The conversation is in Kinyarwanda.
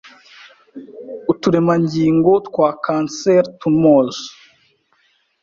uturemangingo twa kanseri tumors